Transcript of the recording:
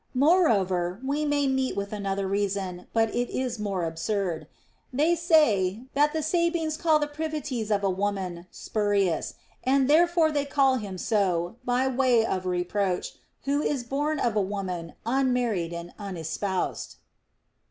Moreover, we may meet with another reason, but it is more absurd. They say, that the Sabines called the privi ties of a woman spurius ; and therefore they call him so, by way of reproach, who is born of a woman unmarried and unespoused.